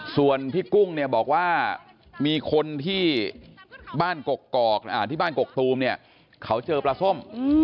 ส่วนพี่กุ้งเนี่ยบอกว่ามีคนที่บ้านกกอกที่บ้านกกตูมเนี่ยเขาเจอปลาส้ม